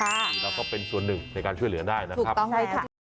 คือเราก็เป็นส่วนหนึ่งในการช่วยเหลือได้นะครับ